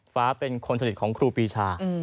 ฟ้าเป็นคนสนิทของครูปีชา